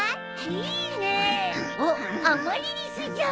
いいねえ。おっアマリリスじゃん。